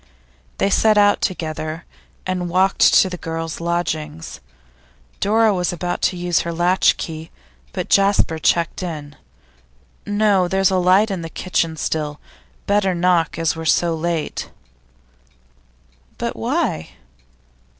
They set out together, and walked to the girls' lodgings. Dora was about to use her latch key, but Jasper checked her. 'No. There's a light in the kitchen still; better knock, as we're so late.' 'But why?